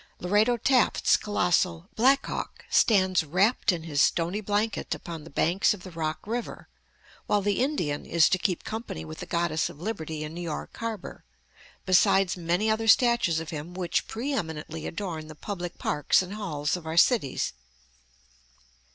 Lorado Taft's colossal "Black Hawk" stands wrapped in his stony blanket upon the banks of the Rock River; while the Indian is to keep company with the Goddess of Liberty in New York Harbor, besides many other statues of him which pre eminently adorn the public parks and halls of our cities.